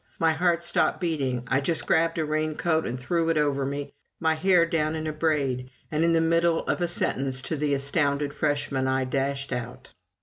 My heart stopped beating. I just grabbed a raincoat and threw it over me, my hair down in a braid, and in the middle of a sentence to the astounded Freshman I dashed out.